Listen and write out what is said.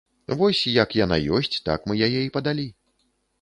Вось як яна ёсць, так мы яе і падалі.